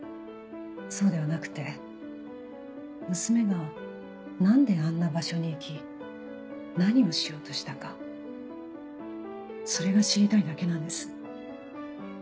そうではなくて娘が何であんな場所に行き何をしようとしたかそれが知りたいだけなんです。